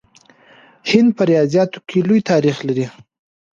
هند په ریاضیاتو کې لوی تاریخ لري.